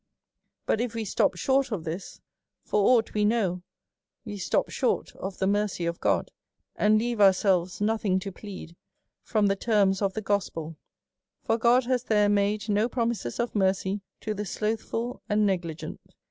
But if we stop short of this, for aught we know, we stop short of the merCy of God, and leave ourselves nothing to plead from the terms of the gospel ; for God has there made no promises of mercy to the slothful and negligent.